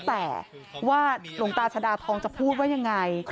แต่ว่าหลวงตาชดาทองจะพูดว่ายังไง